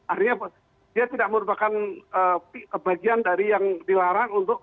artinya dia tidak merupakan bagian dari yang dilarang untuk